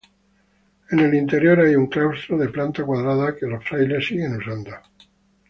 En el interior hay un claustro, de planta cuadrada, que los frailes siguen usando.